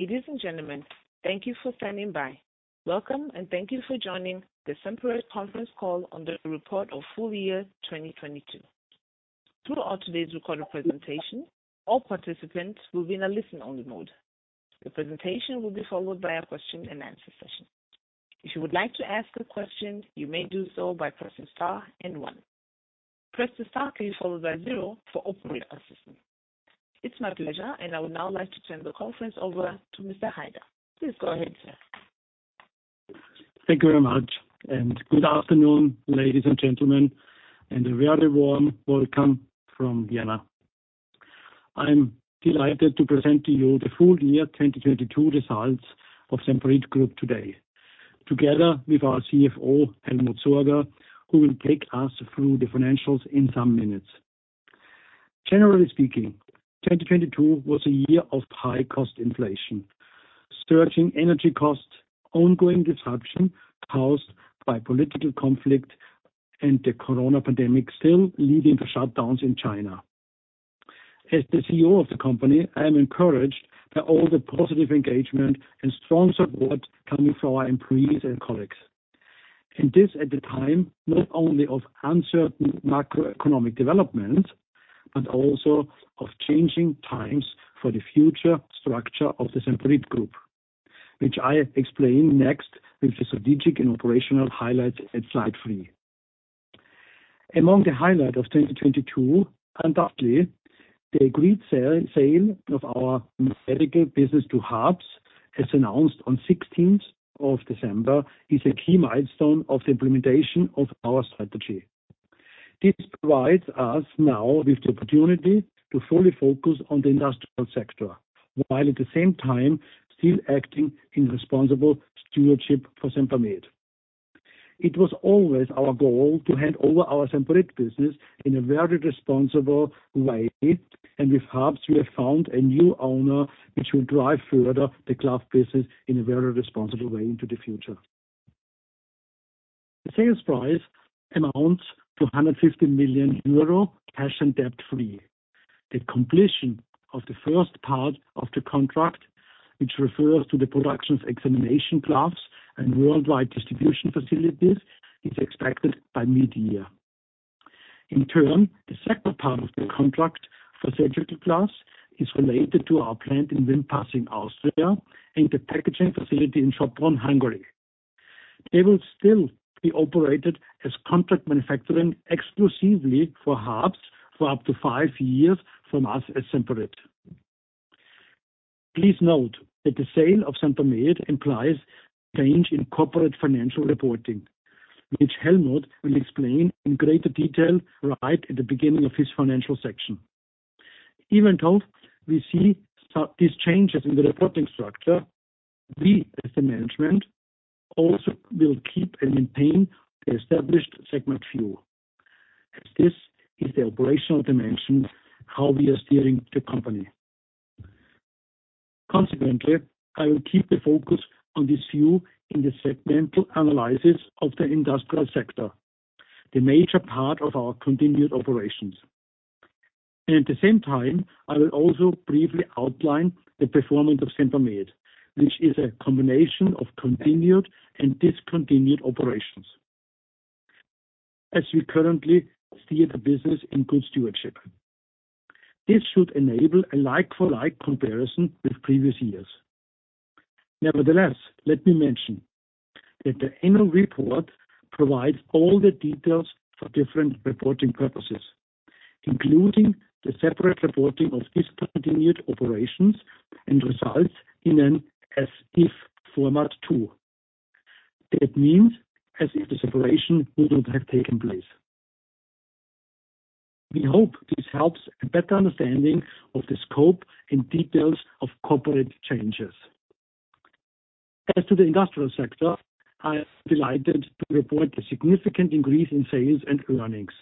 Ladies and gentlemen, thank you for standing by. Welcome and thank you for joining the Semperit conference call on the report of full year 2022. Throughout today's recorded presentation, all participants will be in a listen-only mode. The presentation will be followed by a question-and-answer session. If you would like to ask a question, you may do so by pressing star one. Press the star key followed by zero for operator assistance. It's my pleasure, and I would now like to turn the conference over to Mr. Haider. Please go ahead, sir. Thank you very much, and good afternoon, ladies and gentlemen, and a very warm welcome from Vienna. I'm delighted to present to you the full year 2022 results of Semperit Group today, together with our CFO, Helmut Sorger, who will take us through the financials in some minutes. Generally speaking, 2022 was a year of high cost inflation, surging energy costs, ongoing disruption caused by political conflict, and the coronavirus pandemic still leading to shutdowns in China. As the CEO of the company, I am encouraged by all the positive engagement and strong support coming from our employees and colleagues. This at the time, not only of uncertain macroeconomic development, but also of changing times for the future structure of the Semperit Group, which I explain next with the strategic and operational highlights at slide 3. Among the highlight of 2022, undoubtedly, the agreed sale of our medical business to HARPS, as announced on 16th of December, is a key milestone of the implementation of our strategy. This provides us now with the opportunity to fully focus on the industrial sector, while at the same time, still acting in responsible stewardship for Sempermed. It was always our goal to hand over our Semperit business in a very responsible way. With HARPS, we have found a new owner which will drive further the glove business in a very responsible way into the future. The sales price amounts to 150 million euro, cash and debt-free. The completion of the first part of the contract, which refers to the production of examination gloves and worldwide distribution facilities, is expected by mid-year. The second part of the contract for surgical gloves is related to our plant in Wimpassing, Austria, and the packaging facility in Sopron, Hungary. They will still be operated as contract manufacturing exclusively for HARPS for up to 5 years from us as Semperit. Please note that the sale of Sempermed implies change in corporate financial reporting, which Helmut will explain in greater detail right at the beginning of his financial section. We see these changes in the reporting structure, we as the management also will keep and maintain the established segment view, as this is the operational dimension how we are steering the company. I will keep the focus on this view in the segmental analysis of the industrial sector, the major part of our continued operations. At the same time, I will also briefly outline the performance of Sempermed, which is a combination of continued and discontinued operations, as we currently steer the business in good stewardship. This should enable a like-for-like comparison with previous years. Nevertheless, let me mention that the annual report provides all the details for different reporting purposes, including the separate reporting of discontinued operations and results in an as-if format too. That means as if the separation wouldn't have taken place. We hope this helps a better understanding of the scope and details of corporate changes. As to the industrial sector, I am delighted to report a significant increase in sales and earnings,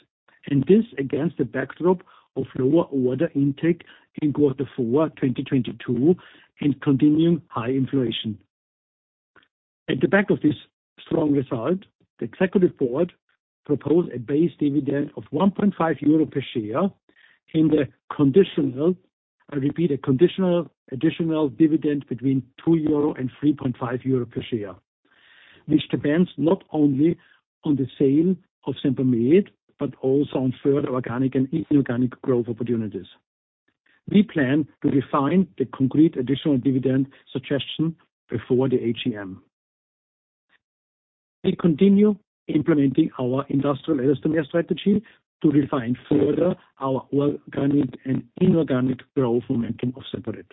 and this against the backdrop of lower order intake in quarter four, 2022 and continuing high inflation. At the back of this strong result, the executive board proposed a base dividend of 1.5 euro per share in the conditional, I repeat, a conditional additional dividend between 2 euro and 3.5 euro per share, which depends not only on the sale of Sempermed, but also on further organic and inorganic growth opportunities. We plan to refine the concrete additional dividend suggestion before the AGM. We continue implementing our industrial strategy to refine further our organic and inorganic growth momentum of Semperit.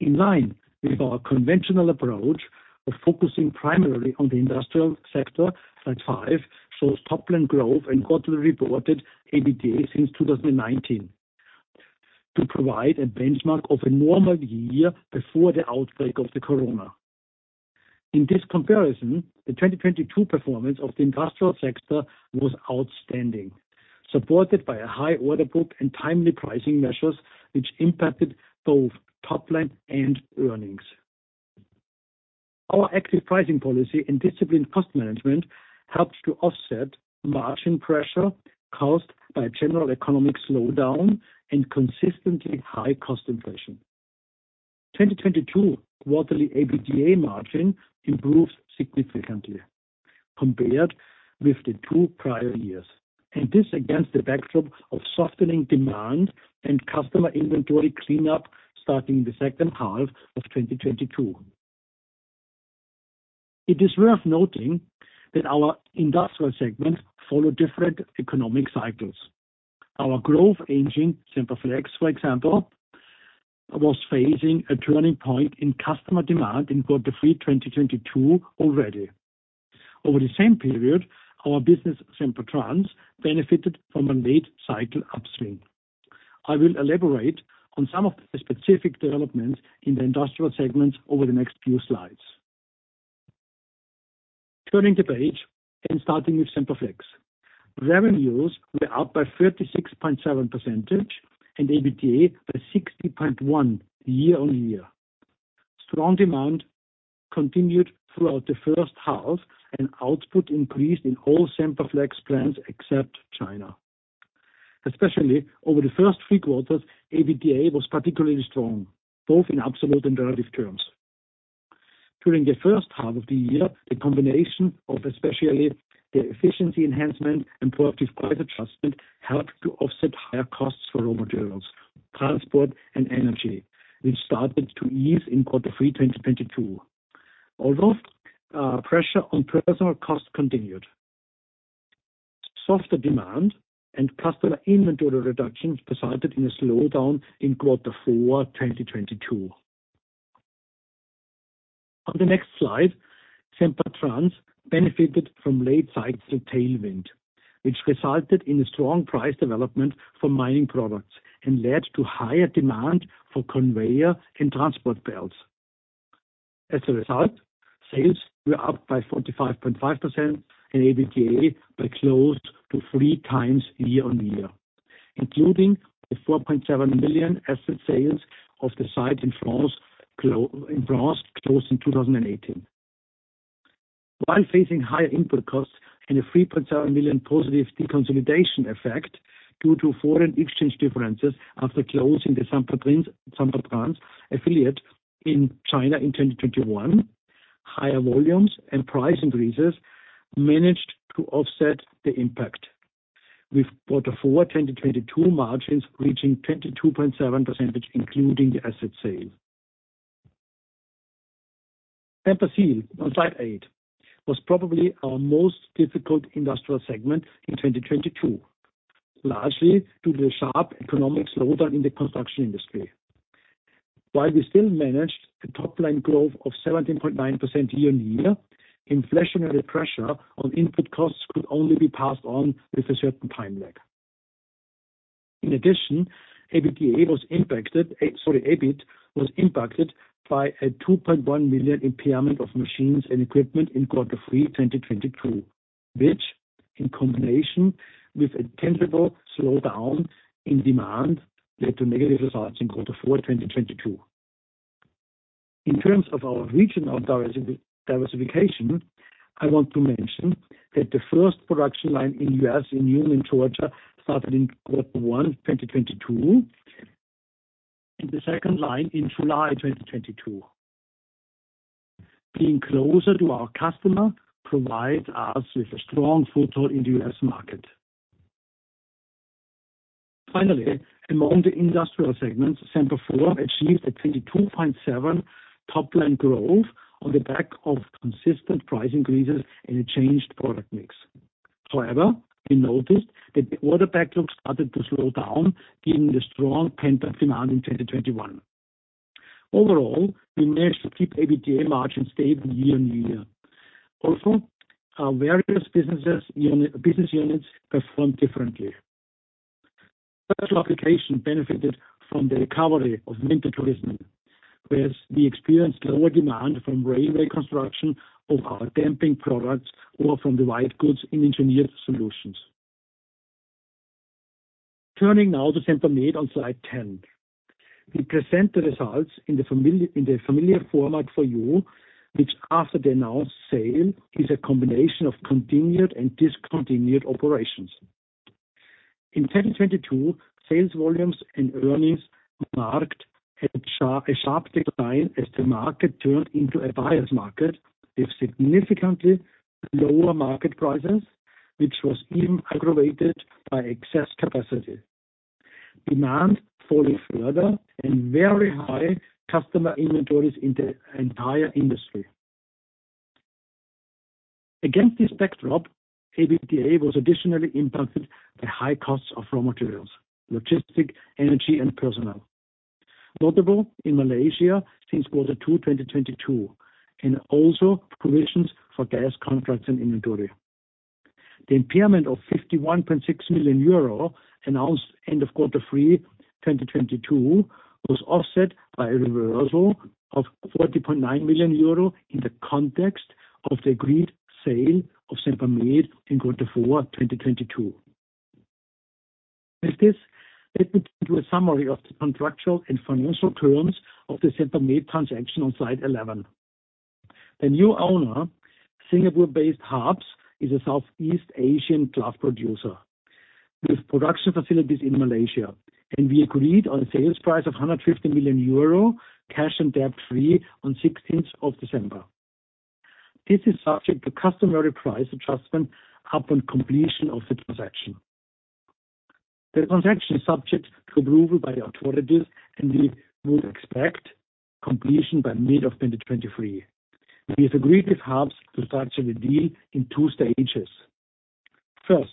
In line with our conventional approach of focusing primarily on the industrial sector, slide 5, shows top line growth and quarterly reported EBITDA since 2019 to provide a benchmark of a normal year before the outbreak of the corona. In this comparison, the 2022 performance of the industrial sector was outstanding, supported by a high order book and timely pricing measures, which impacted both top line and earnings. Our active pricing policy and disciplined cost management helped to offset margin pressure caused by general economic slowdown and consistently high cost inflation. 2022 quarterly EBITDA margin improved significantly compared with the two prior years. This against the backdrop of softening demand and customer inventory cleanup starting the second half of 2022. It is worth noting that our industrial segments follow different economic cycles. Our growth engine, Semperflex, for example, was facing a turning point in customer demand in quarter three 2022 already. Over the same period, our business, Sempertrans, benefited from a late cycle upstream. I will elaborate on some of the specific developments in the industrial segments over the next few slides. Turning the page and starting with Semperflex. Revenues were up by 36.7% and EBITDA by 60.1% year-on-year. Strong demand continued throughout the first half, and output increased in all Semperflex plants except China. Especially over the first three quarters, EBITDA was particularly strong, both in absolute and relative terms. During the first half of the year, the combination of especially the efficiency enhancement and proactive price adjustment helped to offset higher costs for raw materials, transport and energy, which started to ease in quarter three 2022. Although pressure on personal costs continued. Softer demand and customer inventory reductions resulted in a slowdown in quarter four 2022. On the next slide, Sempertrans benefited from late cycle tailwind, which resulted in a strong price development for mining products and led to higher demand for conveyor and transport belts. As a result, sales were up by 45.5% and EBITDA by close to 3x year-over-year, including the 4.7 million asset sales of the site in France in Roullet closed in 2018. While facing higher input costs and a 3.7 million positive deconsolidation effect due to foreign exchange differences after closing the Sempertrans affiliate in China in 2021, higher volumes and price increases managed to offset the impact. With quarter four 2022 margins reaching 22.7%, including the asset sale. Semperseal on slide 8 was probably our most difficult industrial segment in 2022, largely due to a sharp economic slowdown in the construction industry. While we still managed a top line growth of 17.9% year-on-year, inflationary pressure on input costs could only be passed on with a certain time lag. In addition, EBIT was impacted by a 2.1 million impairment of machines and equipment in quarter three 2022, which, in combination with a tangible slowdown in demand, led to negative results in quarter four 2022. In terms of our regional diversification, I want to mention that the first production line in U.S. in Newnan, Georgia, started in quarter one 2022, and the second line in July 2022. Being closer to our customer provides us with a strong foothold in the U.S. market. Finally, among the industrial segments, Semperform achieved a 22.7% top line growth on the back of consistent price increases in a changed product mix. We noticed that the order backlog started to slow down given the strong pent-up demand in 2021. Overall, we managed to keep EBITDA margins stable year-on-year. Our various business units performed differently. Special applications benefited from the recovery of winter tourism, whereas we experienced lower demand from railway construction of our damping products or from the white goods in engineered solutions. Turning now to Sempermed on slide 10. We present the results in the familiar format for you, which after the announced sale, is a combination of continued and discontinued operations. In 2022, sales volumes and earnings marked a sharp decline as the market turned into a buyer's market with significantly lower market prices, which was even aggravated by excess capacity. Demand falling further and very high customer inventories in the entire industry. Against this backdrop, EBITDA was additionally impacted by high costs of raw materials, logistics, energy and personnel. Notable in Malaysia since quarter 2, 2022, and also provisions for gas contracts and inventory. The impairment of 51.6 million euro announced end of quarter three, 2022, was offset by a reversal of 40.9 million euro in the context of the agreed sale of Sempermed in quarter four, 2022. With this, let me take you to a summary of the contractual and financial terms of the Sempermed transaction on slide 11. The new owner, Singapore-based Harps, is a Southeast Asian glove producer with production facilities in Malaysia, and we agreed on a sales price of 150 million euro, cash and debt-free on 16th of December. This is subject to customary price adjustment upon completion of the transaction. The transaction is subject to approval by the authorities. We would expect completion by mid of 2023. We have agreed with HARPS to structure the deal in two stages. First,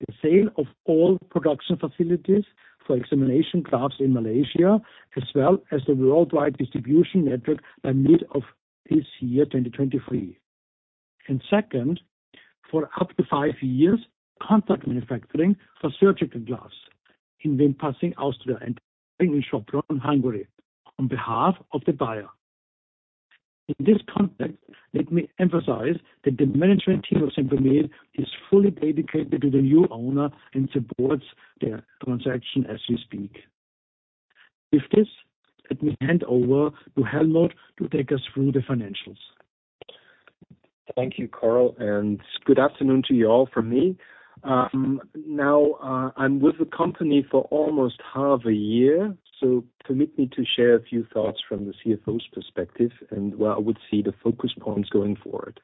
the sale of all production facilities for examination gloves in Malaysia, as well as the worldwide distribution network by mid of this year, 2023. Second, for up to five years, contact manufacturing for surgical gloves in Wimpassing, Austria and Sopron, Hungary on behalf of the buyer. In this context, let me emphasize that the management team of Sempermed is fully dedicated to the new owner and supports their transaction as we speak. With this, let me hand over to Helmut to take us through the financials. Thank you, Karl, and good afternoon to you all from me. Now, I'm with the company for almost half a year, so permit me to share a few thoughts from the CFO's perspective and where I would see the focus points going forward.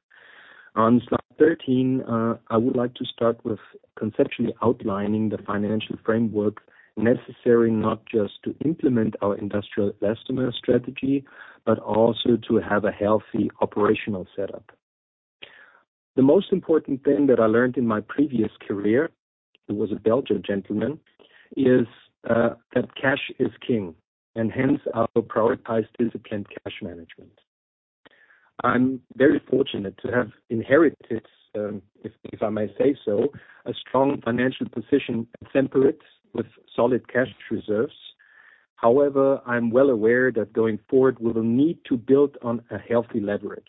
On slide 13, I would like to start with conceptually outlining the financial framework necessary not just to implement our industrial customer strategy, but also to have a healthy operational setup. The most important thing that I learned in my previous career, it was a Belgian gentleman, is that cash is king, and hence our prioritized disciplined cash management. I'm very fortunate to have inherited, if I may say so, a strong financial position at Semperit with solid cash reserves. However, I'm well aware that going forward, we will need to build on a healthy leverage.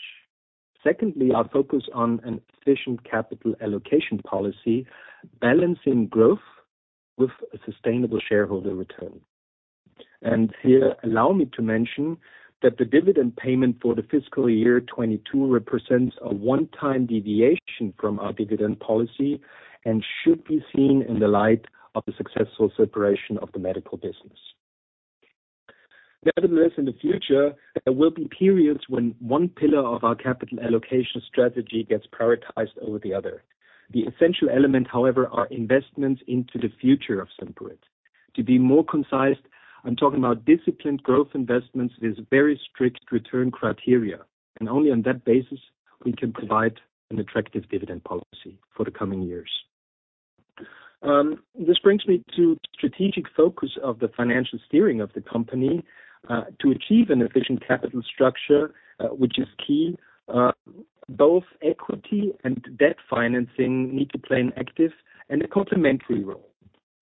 Secondly, I'll focus on an efficient capital allocation policy, balancing growth with a sustainable shareholder return. Here, allow me to mention that the dividend payment for the fiscal year 2022 represents a one-time deviation from our dividend policy and should be seen in the light of the successful separation of the medical business. Nevertheless, in the future, there will be periods when one pillar of our capital allocation strategy gets prioritized over the other. The essential element, however, are investments into the future of Semperit. To be more concise, I'm talking about disciplined growth investments with very strict return criteria, and only on that basis we can provide an attractive dividend policy for the coming years. This brings me to strategic focus of the financial steering of the company, to achieve an efficient capital structure, which is key. Both equity and debt financing need to play an active and a complementary role.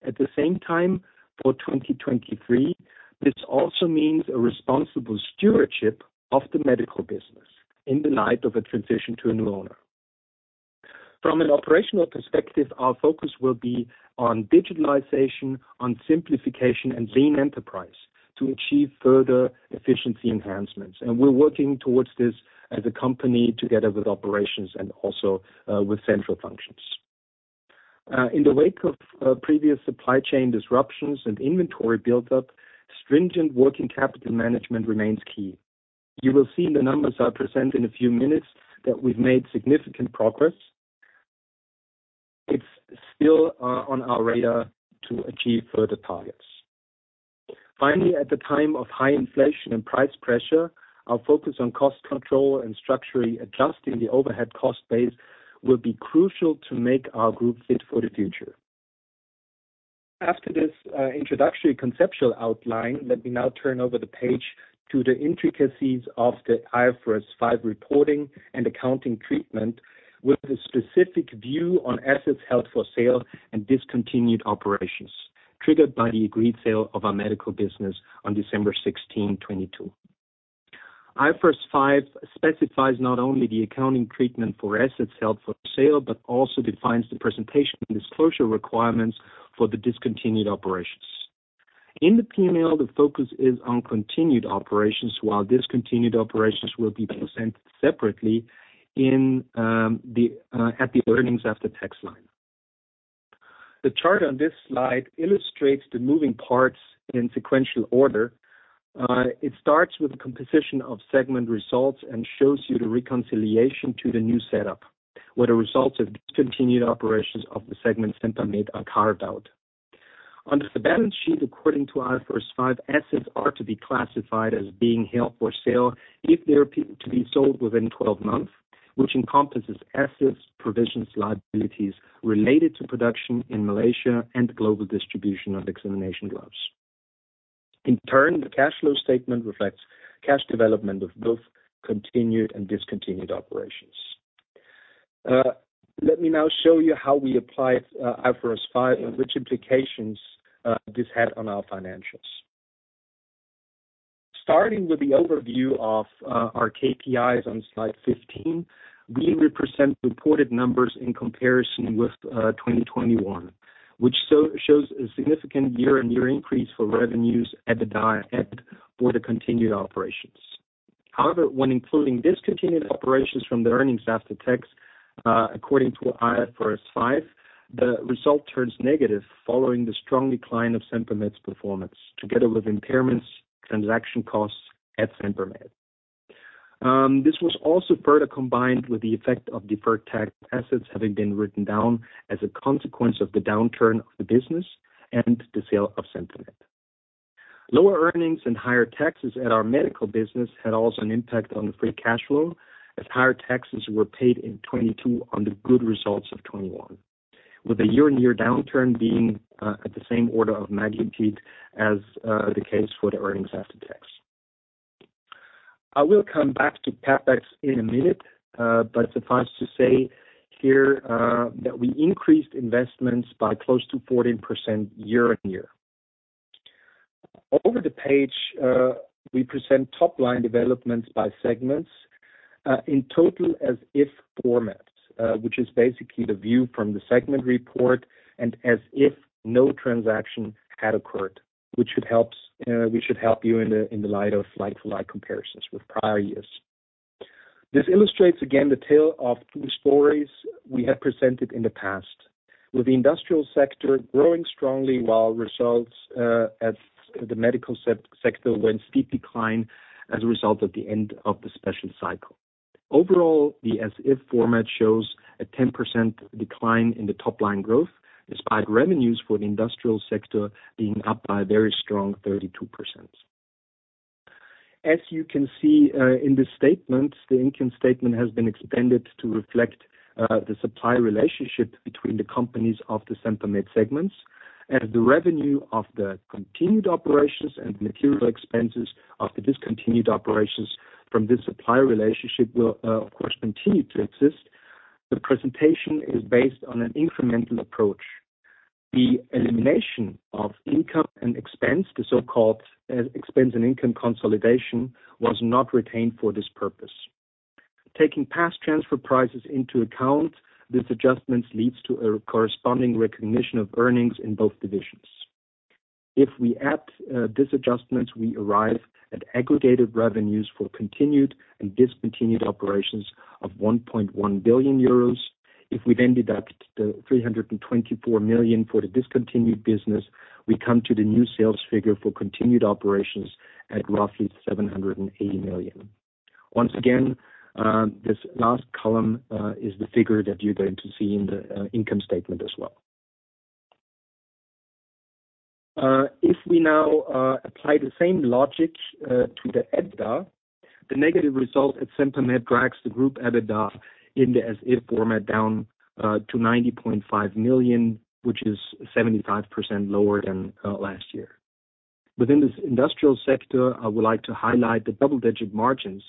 At the same time, for 2023, this also means a responsible stewardship of the medical business in the light of a transition to a new owner. From an operational perspective, our focus will be on digitalization, on simplification, and lean enterprise to achieve further efficiency enhancements. We're working towards this as a company together with operations and also, with central functions. In the wake of previous supply chain disruptions and inventory buildup, stringent working capital management remains key. You will see the numbers I'll present in a few minutes that we've made significant progress. It's still, on our radar to achieve further targets. Finally, at the time of high inflation and price pressure, our focus on cost control and structurally adjusting the overhead cost base will be crucial to make our group fit for the future. After this introductory conceptual outline, let me now turn over the page to the intricacies of the IFRS 5 reporting and accounting treatment with a specific view on assets held for sale and discontinued operations triggered by the agreed sale of our medical business on December 16, 2022. IFRS 5 specifies not only the accounting treatment for assets held for sale, but also defines the presentation and disclosure requirements for the discontinued operations. In the P&L, the focus is on continued operations, while discontinued operations will be presented separately in the at the earnings after tax line. The chart on this slide illustrates the moving parts in sequential order. It starts with the composition of segment results and shows you the reconciliation to the new setup, where the results of discontinued operations of the segment Sempermed are carved out. Under the balance sheet, according to IFRS 5, assets are to be classified as being held for sale if they're to be sold within 12 months, which encompasses assets, provisions, liabilities related to production in Malaysia and global distribution of examination gloves. The cash flow statement reflects cash development of both continued and discontinued operations. Let me now show you how we applied IFRS 5 and which implications this had on our financials. Starting with the overview of our KPIs on slide 15, we represent reported numbers in comparison with 2021, which shows a significant year-on-year increase for revenues at the dyad for the continued operations. However, when including discontinued operations from the earnings after tax, according to IFRS 5, the result turns negative following the strong decline of Sempermed's performance together with impairments transaction costs at Sempermed. This was also further combined with the effect of deferred tax assets having been written down as a consequence of the downturn of the business and the sale of Sempermed. Lower earnings and higher taxes at our medical business had also an impact on the free cash flow, as higher taxes were paid in 2022 on the good results of 2021, with a year-on-year downturn being at the same order of magnitude as the case for the earnings after tax. I will come back to CapEx in a minute, but suffice to say here that we increased investments by close to 14% year-on-year. Over the page, we present top-line developments by segments, in total as if formats, which is basically the view from the segment report and as if no transaction had occurred, which should help you in the light of like-to-like comparisons with prior years. This illustrates again the tale of two stories we have presented in the past. With the industrial sector growing strongly while results at the medical sector went steep decline as a result of the end of the special cycle. Overall, the as if format shows a 10% decline in the top-line growth, despite revenues for the industrial sector being up by a very strong 32%. As you can see, in this statement, the income statement has been expanded to reflect the supply relationship between the companies of the Sempermed segments. As the revenue of the continued operations and material expenses of the discontinued operations from this supply relationship will, of course, continue to exist, the presentation is based on an incremental approach. The elimination of income and expense, the so-called, expense and income consolidation, was not retained for this purpose. Taking past transfer prices into account, this adjustments leads to a corresponding recognition of earnings in both divisions. We add this adjustment, we arrive at aggregated revenues for continued and discontinued operations of 1.1 billion euros. We then deduct the 324 million for the discontinued business, we come to the new sales figure for continued operations at roughly 780 million. Once again, this last column is the figure that you're going to see in the income statement as well. If we now apply the same logic to the EBITDA, the negative result at Sempermed drags the group EBITDA in the as if format down to 90.5 million, which is 75% lower than last year. Within this industrial sector, I would like to highlight the double-digit margins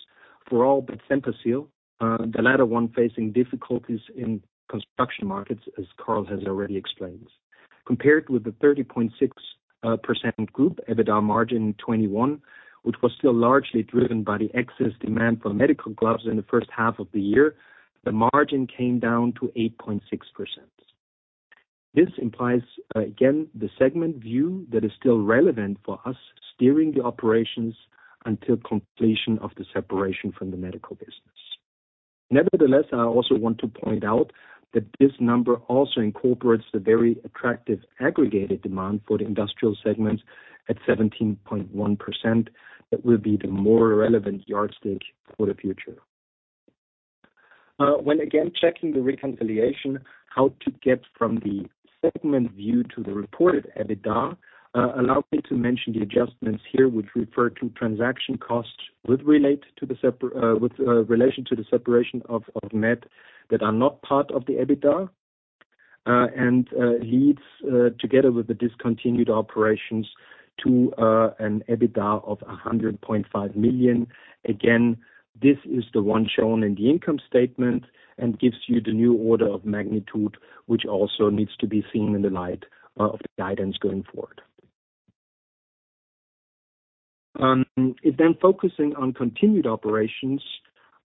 for all but Semperseal, the latter one facing difficulties in construction markets, as Karl has already explained. Compared with the 30.6% group EBITDA margin in 2021, which was still largely driven by the excess demand for medical gloves in the first half of the year, the margin came down to 8.6%. This implies again, the segment view that is still relevant for us steering the operations until completion of the separation from the med business. I also want to point out that this number also incorporates the very attractive aggregated demand for the industrial segments at 17.1%. That will be the more relevant yardstick for the future. When again, checking the reconciliation, how to get from the segment view to the reported EBITDA, allow me to mention the adjustments here which refer to transaction costs with relate to the relation to the separation of Med that are not part of the EBITDA, and leads together with the discontinued operations to an EBITDA of 100.5 million. Again, this is the one shown in the income statement and gives you the new order of magnitude, which also needs to be seen in the light of the guidance going forward. Focusing on continued operations,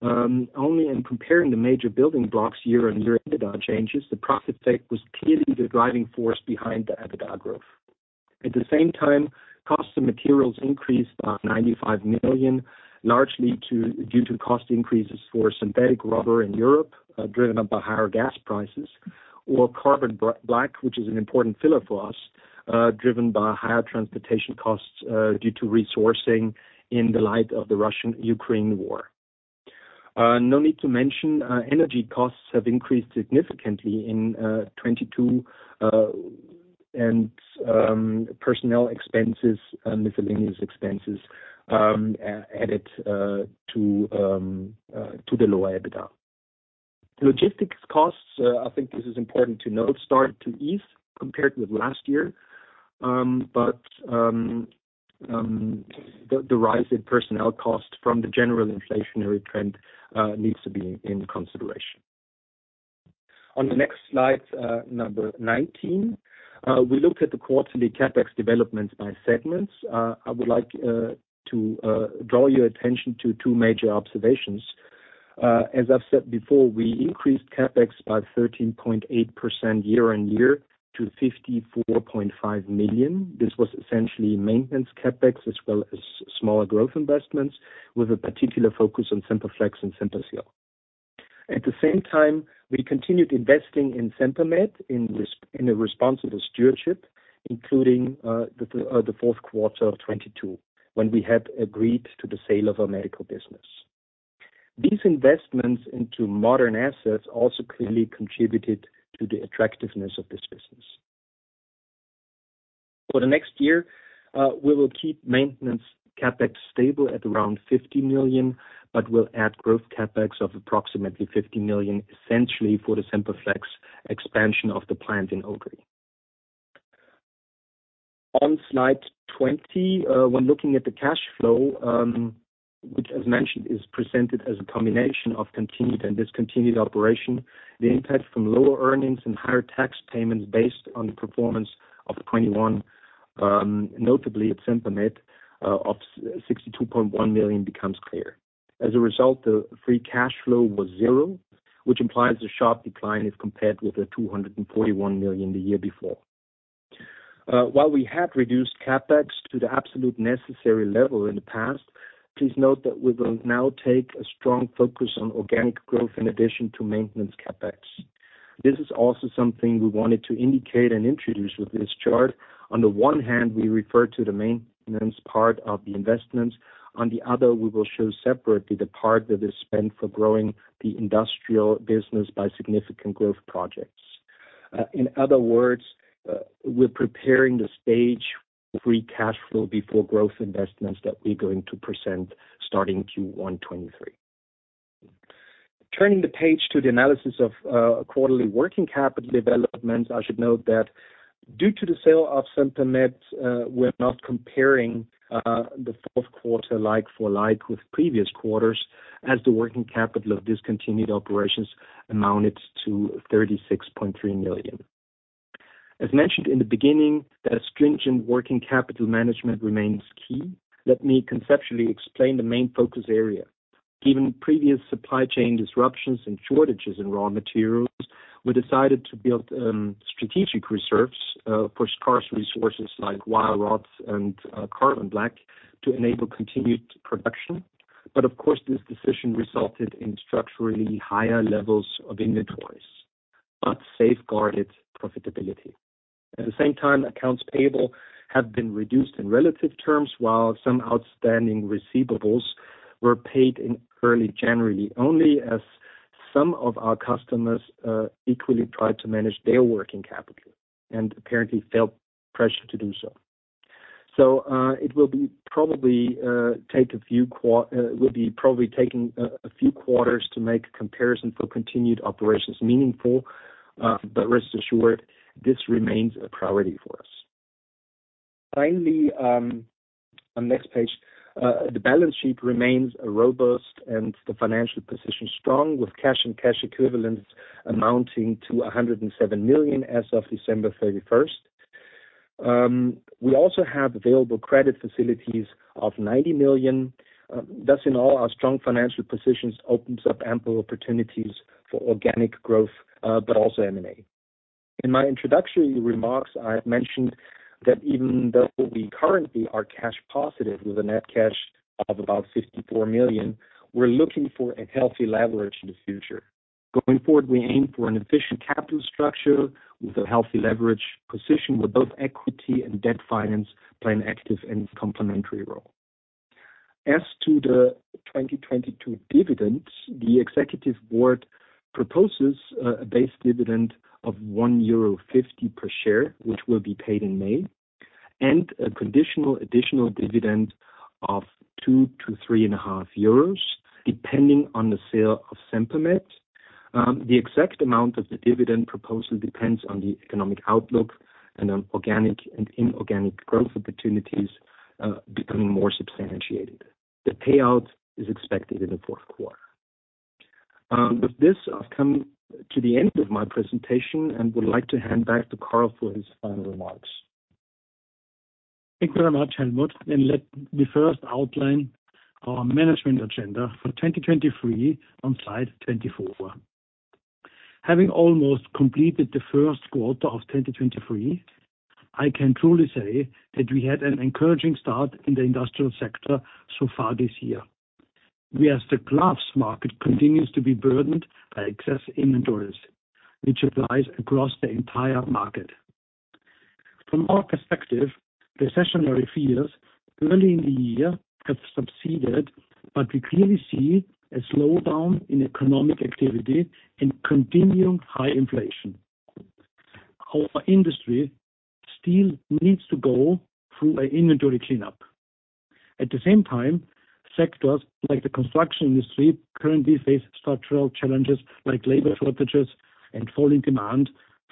only in comparing the major building blocks year-on-year EBITDA changes, the profit take was clearly the driving force behind the EBITDA growth. At the same time, cost of materials increased by 95 million, largely due to cost increases for synthetic rubber in Europe, driven up by higher gas prices, or carbon black, which is an important filler for us, driven by higher transportation costs, due to resourcing in the light of the Russian-Ukraine war. No need to mention, energy costs have increased significantly in 2022, and personnel expenses and miscellaneous expenses, added to the lower EBITDA. Logistics costs, I think this is important to note, started to ease compared with last year, but the rise in personnel costs from the general inflationary trend needs to be in consideration. On the next slide, number 19, we look at the quarterly CapEx development by segments. I would like to draw your attention to two major observations. As I've said before, we increased CapEx by 13.8% year-on-year to 54.5 million. This was essentially maintenance CapEx, as well as smaller growth investments, with a particular focus on Semperflex and Semperseal. At the same time, we continued investing in Sempermed in a responsible stewardship, including the fourth quarter of 2022, when we had agreed to the sale of our medical business. These investments into modern assets also clearly contributed to the attractiveness of this business. For the next year, we will keep maintenance CapEx stable at around 50 million, but we'll add growth CapEx of approximately 50 million, essentially for the Semperflex expansion of the plant in Odry. On slide 20, when looking at the cash flow, which as mentioned, is presented as a combination of continued and discontinued operation, the impact from lower earnings and higher tax payments based on the performance of 2021, notably at Sempermed, of 62.1 million becomes clear. As a result, the free cash flow was zero, which implies a sharp decline as compared with the 241 million the year before. While we have reduced CapEx to the absolute necessary level in the past, please note that we will now take a strong focus on organic growth in addition to maintenance CapEx. This is also something we wanted to indicate and introduce with this chart. On the one hand, we refer to the maintenance part of the investments. On the other, we will show separately the part that is spent for growing the industrial business by significant growth projects. In other words, we're preparing the stage for free cash flow before growth investments that we're going to present starting Q1 2023. Turning the page to the analysis of quarterly working capital development, I should note that due to the sale of Sempermed, we're not comparing the fourth quarter like for like with previous quarters, as the working capital of discontinued operations amounted to 36.3 million. As mentioned in the beginning that a stringent working capital management remains key, let me conceptually explain the main focus area. Given previous supply chain disruptions and shortages in raw materials, we decided to build strategic reserves for scarce resources like wire rods and carbon black to enable continued production. Of course, this decision resulted in structurally higher levels of inventories, but safeguarded profitability. At the same time, accounts payable have been reduced in relative terms, while some outstanding receivables were paid in early January, only as some of our customers equally tried to manage their working capital and apparently felt pressure to do so. It will be probably taking a few quarters to make a comparison for continued operations meaningful, but rest assured, this remains a priority for us. Finally, on next page. The balance sheet remains robust and the financial position strong, with cash and cash equivalents amounting to 107 million as of December 31st. We also have available credit facilities of 90 million. Thus in all, our strong financial positions opens up ample opportunities for organic growth, but also M&A. In my introductory remarks, I have mentioned that even though we currently are cash positive with a net cash of about 54 million, we're looking for a healthy leverage in the future. Going forward, we aim for an efficient capital structure with a healthy leverage position, with both equity and debt finance playing active and complementary role. As to the 2022 dividends, the executive board proposes a base dividend of 1.50 euro per share, which will be paid in May, and a conditional additional dividend of 2-3.5 euros, depending on the sale of Sempermed. The exact amount of the dividend proposal depends on the economic outlook and on organic and inorganic growth opportunities becoming more substantiated. The payout is expected in the fourth quarter. With this, I've come to the end of my presentation and would like to hand back to Karl for his final remarks. Thank you very much, Helmut. Let me first outline our management agenda for 2023 on slide 24. Having almost completed the first quarter of 2023, I can truly say that we had an encouraging start in the industrial sector so far this year. The glove market continues to be burdened by excess inventories, which applies across the entire market. From our perspective, the recessionary fears early in the year have subsided. We clearly see a slowdown in economic activity and continuing high inflation. Our industry still needs to go through an inventory cleanup. At the same time, sectors like the construction industry currently face structural challenges like labor shortages and falling demand,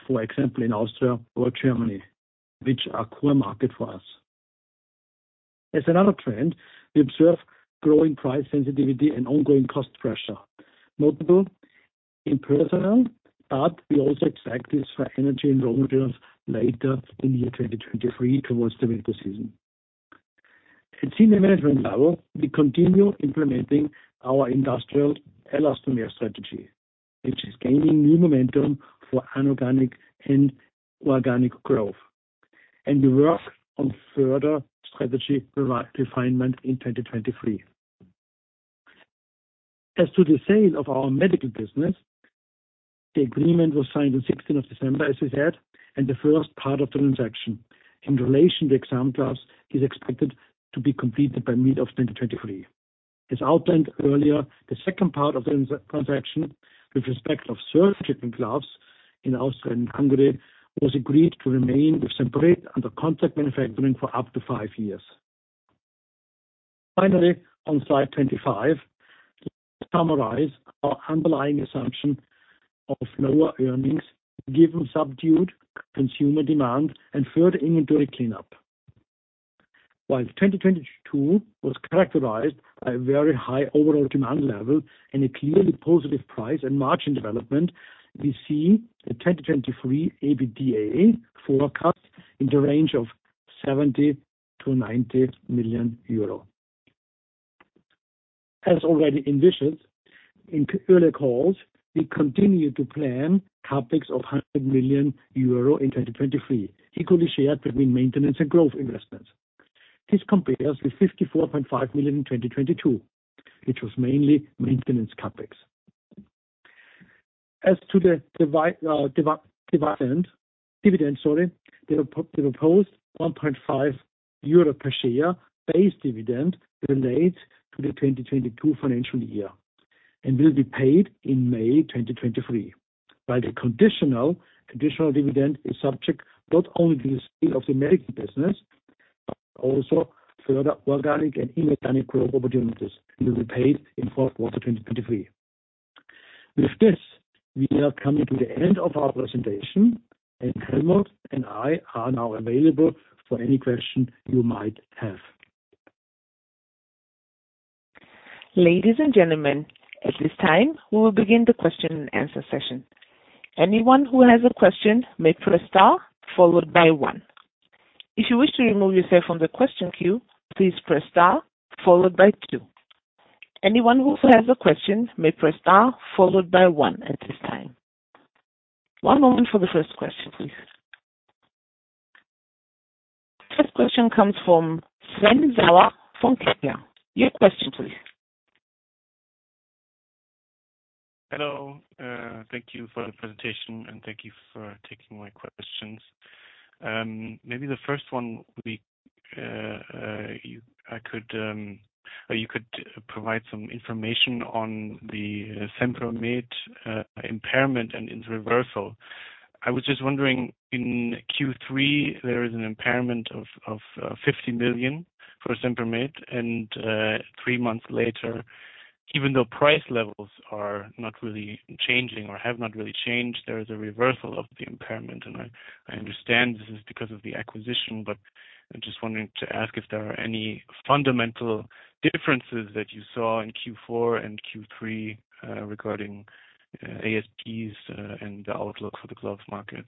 for example, in Austria or Germany, which are core market for us. As another trend, we observe growing price sensitivity and ongoing cost pressure, notable in personnel, but we also expect this for energy and raw materials later in the year 2023 towards the winter season. At senior management level, we continue implementing our industrial elastomer strategy, which is gaining new momentum for inorganic and organic growth, and we work on further strategy refinement in 2023. As to the sale of our medical business, the agreement was signed on 16th of December, as we said, and the first part of the transaction in relation to exam gloves is expected to be completed by mid of 2023. As outlined earlier, the second part of the transaction with respect of surgical gloves in Austria and Hungary was agreed to remain with separate under contract manufacturing for up to 5 years. Finally, on slide 25, to summarize our underlying assumption of lower earnings given subdued consumer demand and further inventory cleanup. 2022 was characterized by a very high overall demand level and a clearly positive price and margin development, we see the 2023 EBITDA forecast in the range of 70 million-90 million euro. As already envisioned in earlier calls, we continue to plan CapEx of 100 million euro in 2023, equally shared between maintenance and growth investments. This compares with 54.5 million in 2022, which was mainly maintenance CapEx. As to the dividend, sorry, the proposed 1.5 euro per share base dividend relates to the 2022 financial year and will be paid in May 2023. While the conditional dividend is subject not only to the sale of the medical business, but also further organic and inorganic growth opportunities will be paid in fourth quarter 2023. With this, we are coming to the end of our presentation, and Helmut and I are now available for any question you might have. Ladies and gentlemen, at this time, we will begin the question and answer session. Anyone who has a question may press star followed by one. If you wish to remove yourself from the question queue, please press star followed by two. Anyone who has a question may press star followed by one at this time. One moment for the first question, please. First question comes from Sven Sauer from Kepler. Your question please. Hello. Thank you for the presentation, and thank you for taking my questions. Maybe the first one will be, or you could provide some information on the Sempermed impairment and its reversal. I was just wondering, in Q3 there is an impairment of 50 million for Sempermed. Three months later, even though price levels are not really changing or have not really changed, there is a reversal of the impairment. I understand this is because of the acquisition, but I'm just wanting to ask if there are any fundamental differences that you saw in Q4 and Q3 regarding ASPs and the outlook for the gloves market.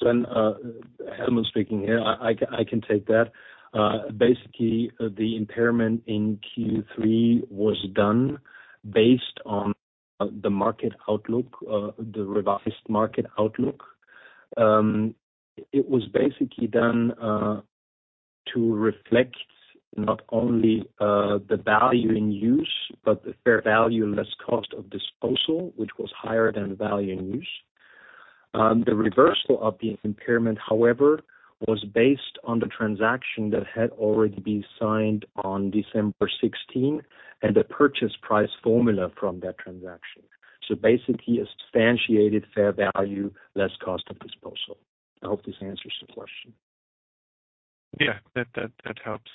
Sven, Helmut speaking here. I can take that. Basically, the impairment in Q3 was done based on the market outlook, the revised market outlook. It was basically done to reflect not only the value in use, but the fair value less cost of disposal, which was higher than the value in use. The reversal of the impairment, however, was based on the transaction that had already been signed on December 16th and the purchase price formula from that transaction. Basically, substantiated fair value less cost of disposal. I hope this answers the question. Yeah, that helps.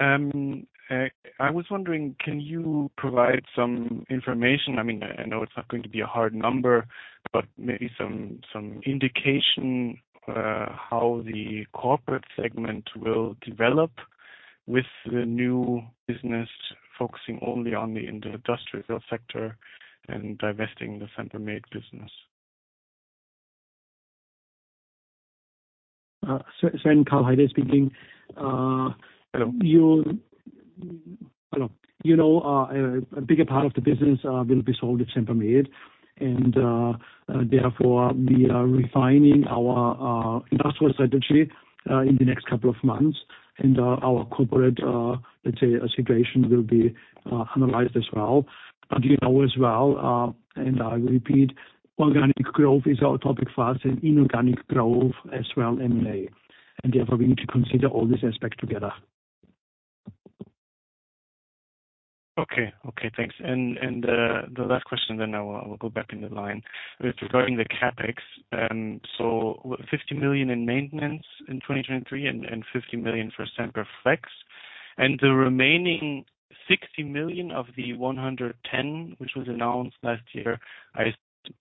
I was wondering, can you provide some information? I mean, I know it's not going to be a hard number, but maybe some indication, how the corporate segment will develop with the new business focusing only on the industrial sector and divesting the Sempermed business. Sven, Karl Haider speaking. Hello. Hello. You know, a bigger part of the business will be sold with Sempermed, and therefore, we are refining our industrial strategy in the next couple of months. Our corporate, let's say, situation will be analyzed as well. You know as well, and I repeat, organic growth is our topic for us and inorganic growth as well, M&A, and therefore we need to consider all these aspects together. Okay. Thanks. The last question then I will go back in the line. It's regarding the CapEx. 50 million in maintenance in 2023 and 50 million for Semperflex? The remaining 60 million of the 110 million, which was announced last year, I assume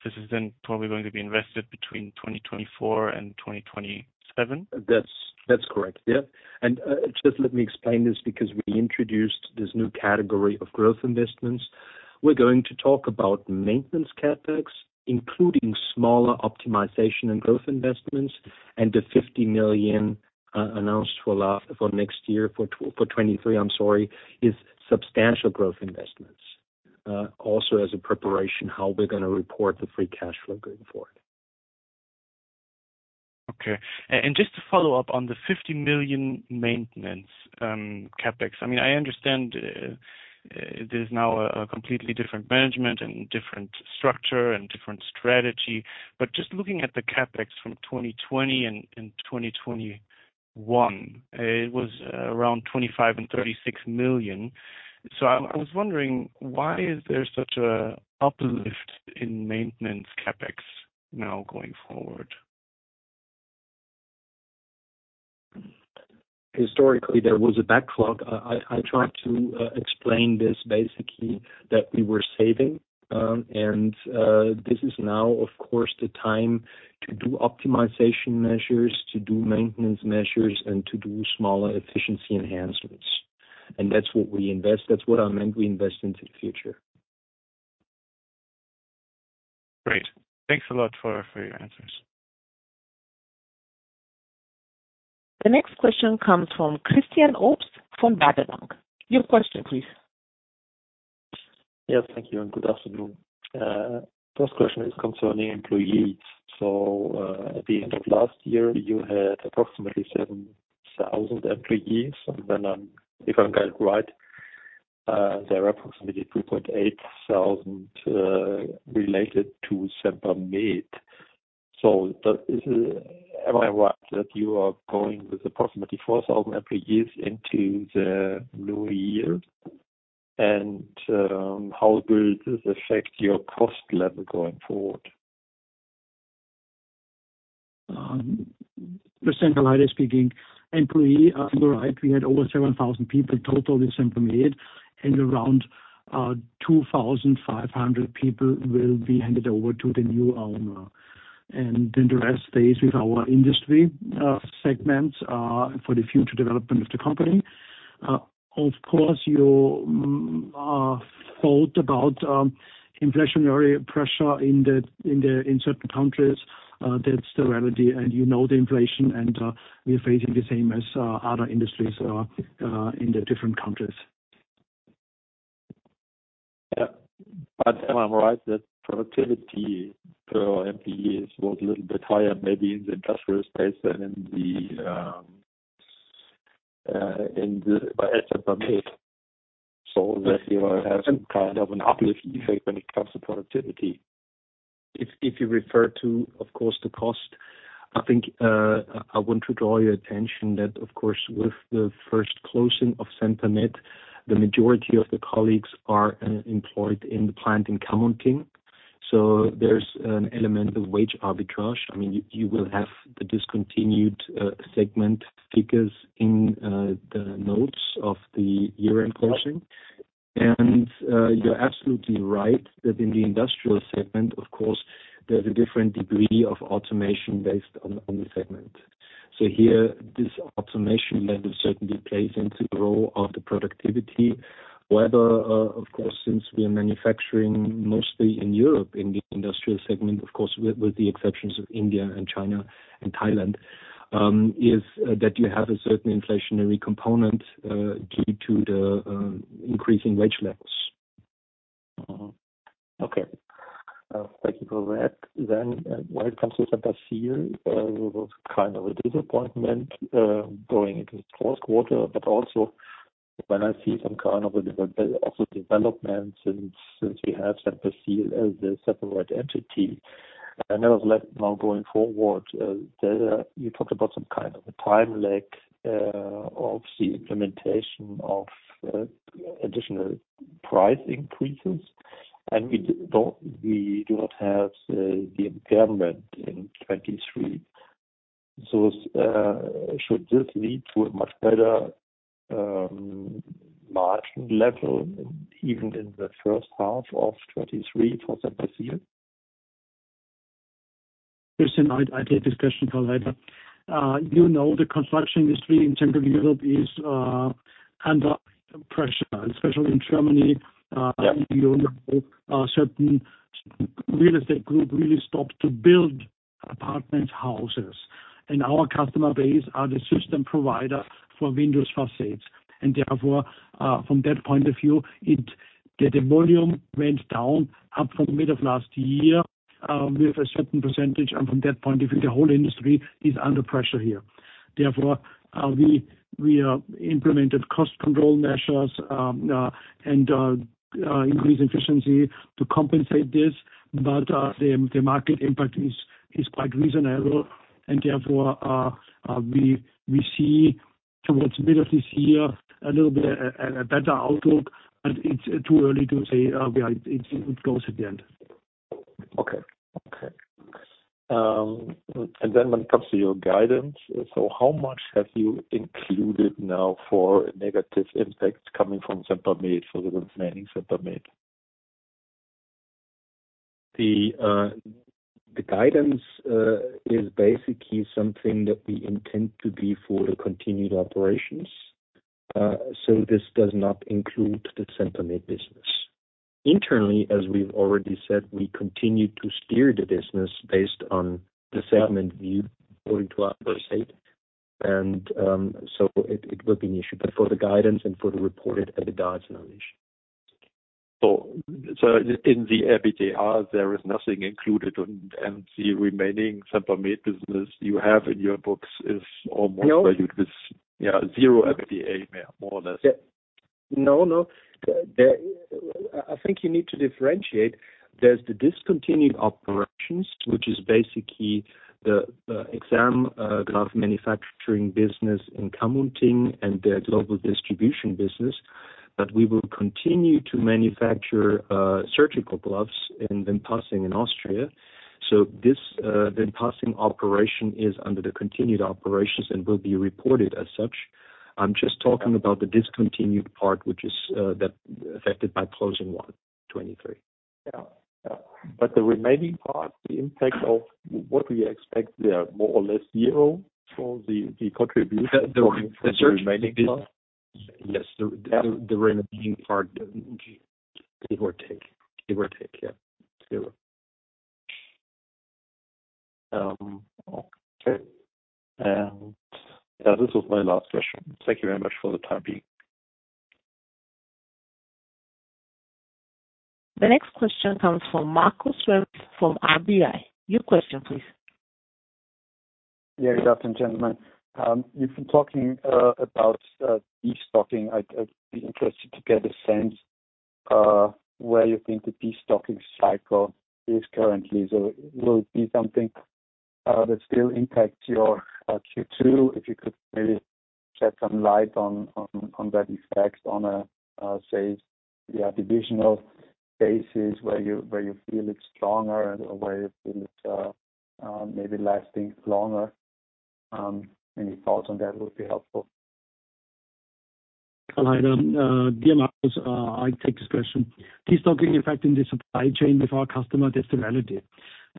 this is then probably going to be invested between 2024 and 2027. That's correct. Yeah. Just let me explain this because we introduced this new category of growth investments. We're going to talk about maintenance CapEx, including smaller optimization and growth investments, and the 50 million announced for next year, for 2023, I'm sorry, is substantial growth investments. Also as a preparation how we're gonna report the free cash flow going forward. Okay. And just to follow up on the 50 million maintenance CapEx. I mean, I understand, there's now a completely different management and different structure and different strategy. Just looking at the CapEx from 2020 and 2021, it was around 25 million and 36 million. I was wondering, why is there such a uplift in maintenance CapEx now going forward? Historically, there was a backlog. I tried to explain this basically that we were saving. This is now, of course, the time to do optimization measures, to do maintenance measures, and to do smaller efficiency enhancements. That's what I meant we invest into the future. Great. Thanks a lot for your answers. The next question comes from Christian Obst from Baader Bank. Your question, please. Yes. Thank you, and good afternoon. First question is concerning employees. At the end of last year, you had approximately 7,000 employees. If I'm getting it right, there are approximately 2,800 related to Sempermed. Is it am I right that you are going with approximately 4,000 employees into the new year? How will this affect your cost level going forward? For Sempermed speaking, employee, you're right, we had over 7,000 people total in Sempermed, and around 2,500 people will be handed over to the new owner. Then the rest stays with our industry segment for the future development of the company. Of course, your thought about inflationary pressure in certain countries, that's the reality. You know the inflation, and we're facing the same as other industries in the different countries. Yeah. Am I right that productivity per employees was a little bit higher, maybe in the industrial space than at Sempermed, so that you are having kind of an uplift effect when it comes to productivity? If you refer to, of course, the cost, I think, I want to draw your attention that, of course, with the first closing of Sempermed, the majority of the colleagues are employed in the plant in Kamunting. There's an element of wage arbitrage. I mean, you will have the discontinued segment figures in the notes of the year-end closing. You're absolutely right that in the industrial segment, of course, there's a different degree of automation based on the segment. Here, this automation level certainly plays into the role of the productivity. Whether, of course, since we are manufacturing mostly in Europe in the industrial segment, of course, with the exceptions of India and China and Thailand, is that you have a certain inflationary component, key to the increasing wage levels. Okay. Thank you for that. When it comes to Semperseal, it was kind of a disappointment going into the fourth quarter, but also when I see some kind of a development since we have Semperseal as a separate entity. There was less now going forward. You talked about some kind of a time lag of the implementation of additional price increases. We do not have the impairment in 2023. Should this lead to a much better margin level even in the first half of 2023 for Semperseal? Christian, I take this question for later. you know the construction industry in central Europe is under pressure, especially in Germany. you know, certain real estate group really stopped to build apartment houses. Our customer base are the system provider for windows facades. Therefore, from that point of view, the volume went down up from mid of last year with a certain percentage. From that point of view, the whole industry is under pressure here. Therefore, we implemented cost control measures and increased efficiency to compensate this. The market impact is quite reasonable. Therefore, we see towards middle of this year a little bit, a better outlook, but it's too early to say where it goes at the end. Okay. Okay. When it comes to your guidance, how much have you included now for negative impacts coming from Sempermed, for the remaining Sempermed? The guidance is basically something that we intend to be for the continued operations. This does not include the Sempermed business. Internally, as we've already said, we continue to steer the business based on the settlement view according to our pro forma. It will be an issue. For the guidance and for the reported EBITDA, it's not an issue. In the EBITDA, there is nothing included, and the remaining Sempermed business you have in your books is almost- No. Valued with, yeah, 0 EBITDA more or less. Yeah. No, no. I think you need to differentiate. There's the discontinued operations, which is basically the exam glove manufacturing business in Kamunting and the global distribution business. We will continue to manufacture surgical gloves in Wimpassing in Austria. This Wimpassing operation is under the continued operations and will be reported as such. I'm just talking about the discontinued part, which is that affected by closing 123. Yeah. Yeah. The remaining part, the impact of what we expect there, more or less 0 for the contribution. The search? For the remaining part. Yes. The remaining part, give or take, yeah. Zero. Okay. Yeah, this was my last question. Thank you very much for the time being. The next question comes from Markus Remis from RBI. Your question, please. Yeah, good afternoon, gentlemen. You've been talking about destocking. I'd be interested to get a sense where you think the destocking cycle is currently. Will it be something that still impacts your Q2? If you could maybe shed some light on that effect on a say, yeah, divisional basis where you feel it's stronger and where you feel it maybe lasting longer. Any thoughts on that would be helpful. Hello there. Dear Markus, I take this question. Destocking impacting the supply chain of our customer, that's the reality.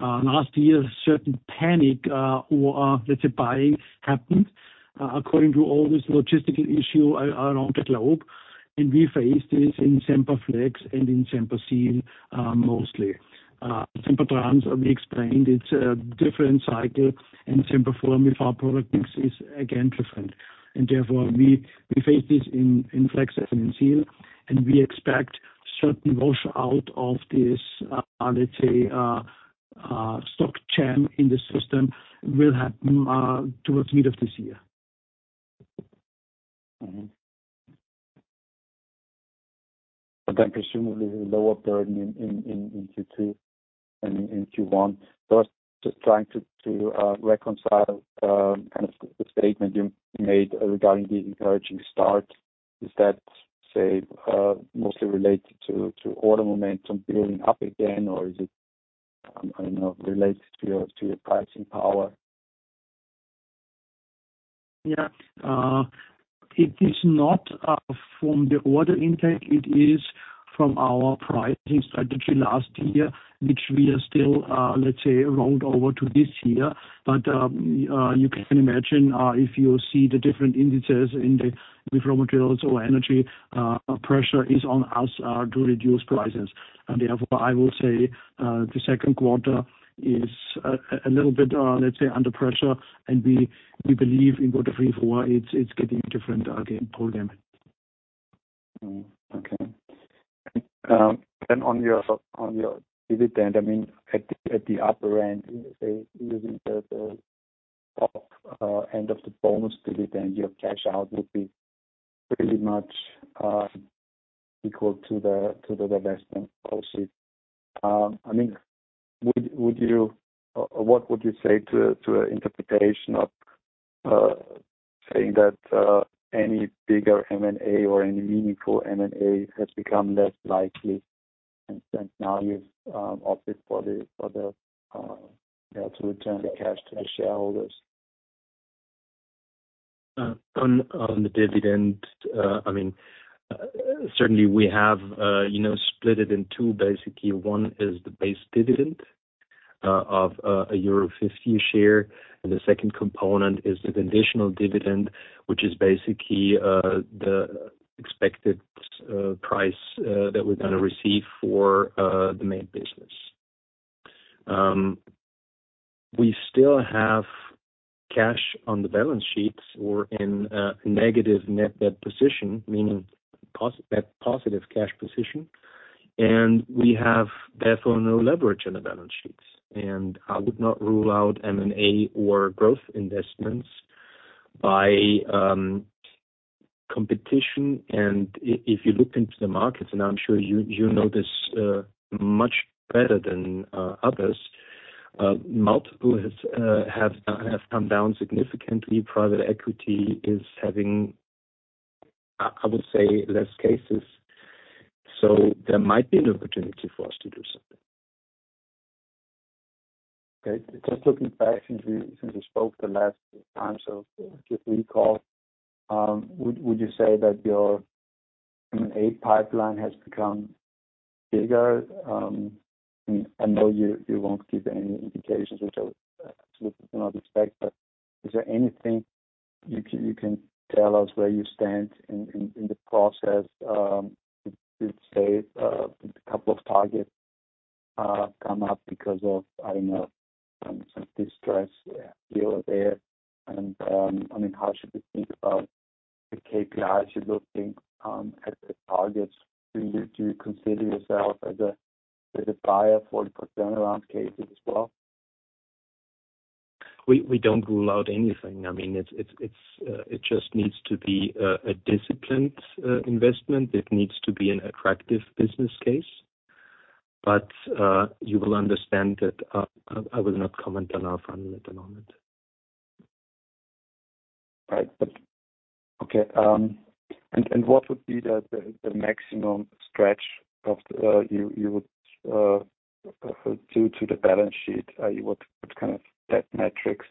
Last year, a certain panic or, let's say, buying happened according to all this logistical issue around the globe, and we faced this in Semperflex and in Semperseal mostly. Sempertrans, we explained it's a different cycle, Semperform with our product mix is again different. Therefore, we face this in Flex and in Seal, and we expect certain wash out of this, let's say, stock jam in the system will happen towards middle of this year. Presumably lower burden in Q2 than in Q1. I was just trying to reconcile kind of the statement you made regarding the encouraging start. Is that, say, mostly related to order momentum building up again, or is it, you know, related to your pricing power? Yeah. It is not from the order intake, it is from our pricing strategy last year, which we are still, let's say, rolled over to this year. You can imagine, if you see the different indices in the raw materials or energy, pressure is on us, to reduce prices. Therefore, I will say, the second quarter is a little bit, let's say, under pressure, and we believe in quarter three, four, it's getting different again for them. Okay. On your, on your dividend, I mean, at the upper end, say, using the top end of the bonus dividend, your cash out would be pretty much equal to the divestment proceeds. I mean, what would you say to an interpretation of saying that any bigger M&A or any meaningful M&A has become less likely and since now you've opted for the, yeah, to return the cash to the shareholders? On the dividend, I mean, certainly we have, you know, split it in 2. Basically, 1 is the base dividend of euro 1.50 a share, and the second component is the additional dividend, which is basically the expected price that we're gonna receive for the med business. We still have cash on the balance sheets or in a negative net debt position, meaning a positive cash position, and we have therefore no leverage on the balance sheets. I would not rule out M&A or growth investments by competition. If you look into the markets, and I'm sure you know this much better than others, multiple has come down significantly. Private equity is having, I would say less cases. There might be an opportunity for us to do something. Okay. Just looking back since we spoke the last time. If we recall, would you say that your, I mean, aid pipeline has become bigger? I mean, I know you won't give any indications, which I would absolutely not expect, but is there anything you can tell us where you stand in the process? Did say a couple of targets come up because of, I don't know, some distress here or there. I mean, how should we think about the KPI? Should we think as the targets? Do you consider yourself as a buyer for turnaround cases as well? We don't rule out anything. I mean, it's It just needs to be a disciplined investment. It needs to be an attractive business case. You will understand that I will not comment on our funnel at the moment. Okay. What would be the maximum stretch of you would do to the balance sheet? What kind of debt metrics?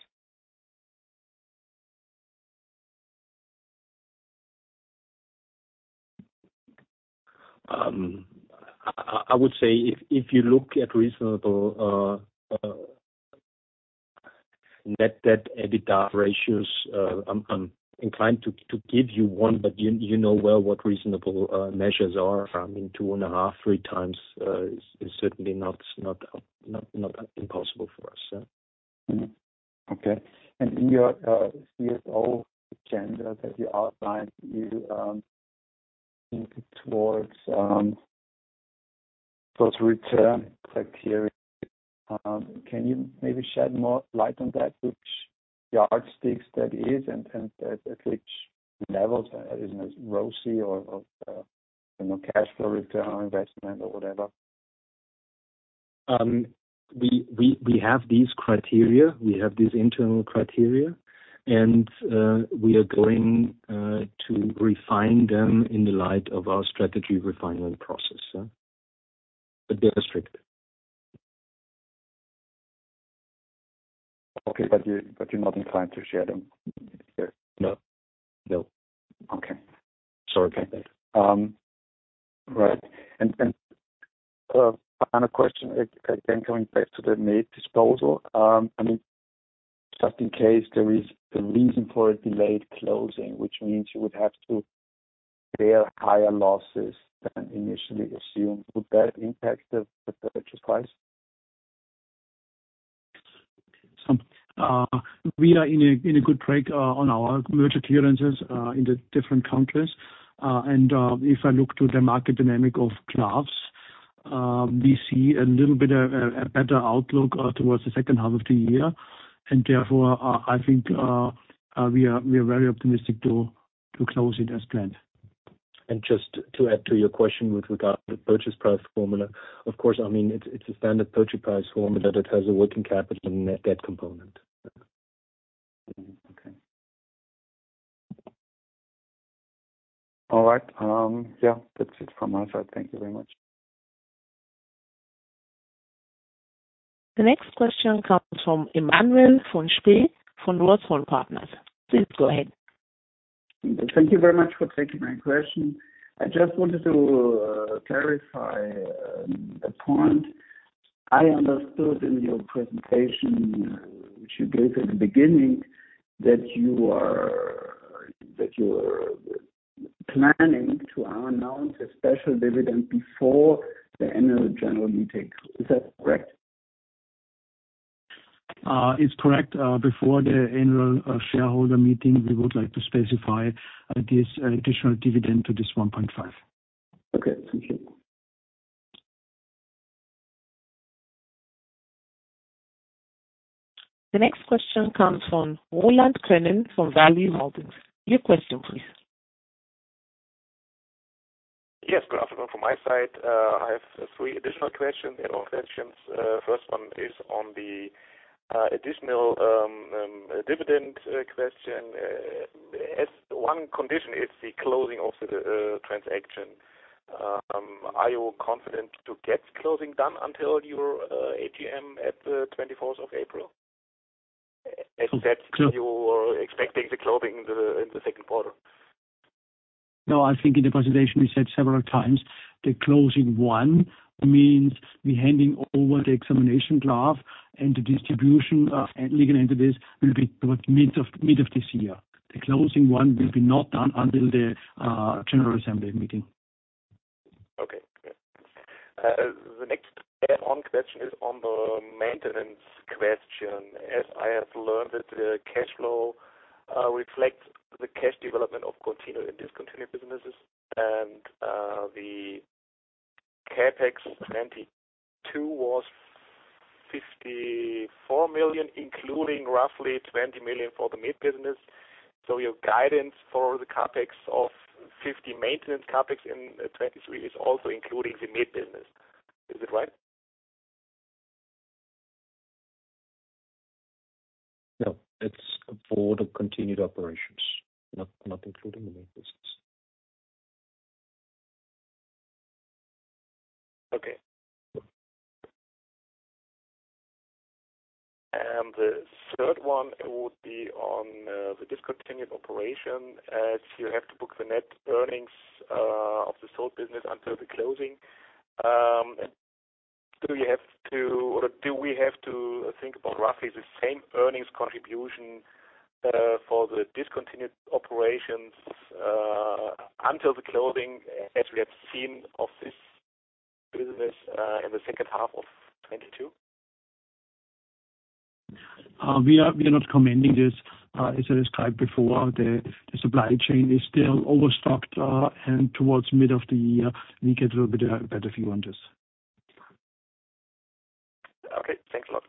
I would say if you look at reasonable, net debt, EBITDA ratios, I'm inclined to give you one, but you know well what reasonable measures are. I mean, 2.5x, 3x, is certainly not impossible for us, so. Okay. In your CSO agenda that you outlined, you think towards those return criteria. Can you maybe shed more light on that, which yardsticks that is and at which levels? Is it ROIC or, you know, cash flow return on investment or whatever? We have these criteria. We have these internal criteria, we are going to refine them in the light of our strategy refinement process, so. They're strict. Okay. You're not inclined to share them? No. No. Okay. Sorry for that. Right. Final question, again, coming back to the Sempermed disposal. I mean, just in case there is a reason for a delayed closing, which means you would have to bear higher losses than initially assumed, would that impact the purchase price? We are in a good break, on our merger clearances, in the different countries. If I look to the market dynamic of gloves, we see a little bit a better outlook, towards the second half of the year. Therefore, I think, we are very optimistic to close it as planned. Just to add to your question with regard to purchase price formula, of course, I mean, it's a standard purchase price formula that has a working capital net debt component. Okay. All right. Yeah, that's it from my side. Thank you very much. The next question comes from Emanuel von Spee, from Rothorn Partners. Please go ahead. Thank you very much for taking my question. I just wanted to clarify a point. I understood in your presentation, which you gave at the beginning, that you are planning to announce a special dividend before the annual general meeting. Is that correct? It's correct. Before the annual shareholder meeting, we would like to specify this additional dividend to this 1.5. Okay. Thank you. The next question comes from Roland Könen from Value-Holdings. Your question, please. Yes. Good afternoon from my side. I have three additional questions and observations. First one is on the additional dividend question. As one condition is the closing of the transaction, are you confident to get closing done until your AGM at the 24th of April? You were expecting the closing in the 2nd quarter. No, I think in the presentation we said several times the closing one means we handing over the examination draft and the distribution of legal entities will be towards mid of this year. The closing one will be not done until the general assembly meeting. Okay, great. The next add-on question is on the maintenance question. As I have learned that the cash flow reflects the cash development of continued and discontinued businesses, the CapEx 2022 was 54 million, including roughly 20 million for the med business. Your guidance for the CapEx of 50 million maintenance CapEx in 2023 is also including the med business. Is it right? No. It's for the continued operations, not including the med business. Okay. The third one would be on the discontinued operation. As you have to book the net earnings of the sold business until the closing, do you have to or do we have to think about roughly the same earnings contribution for the discontinued operations until the closing as we have seen of this business in the second half of 2022? We are not commenting this. As I described before, the supply chain is still overstocked, towards mid of the year, we get a little bit a better view on this. Okay. Thanks a lot.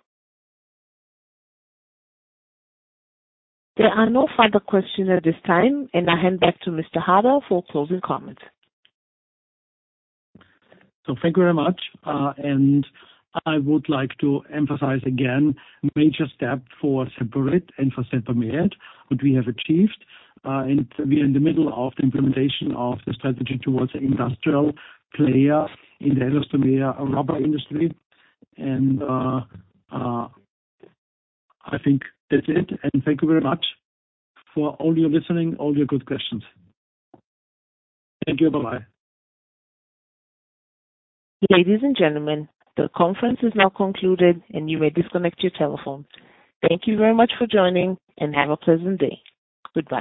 There are no further questions at this time, I hand back to Mr. Haider for closing comments. Thank you very much. I would like to emphasize again, major step for Semperit and for Sempermed, what we have achieved, and we are in the middle of the implementation of the strategy towards the industrial player in the elastomer rubber industry. I think that's it. Thank you very much for all your listening, all your good questions. Thank you. Bye-bye. Ladies and gentlemen, the conference is now concluded, and you may disconnect your telephone. Thank you very much for joining, and have a pleasant day. Goodbye.